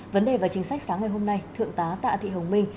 vấn đề và chính sách sáng ngày hôm nay thượng tá tạ thị hồng minh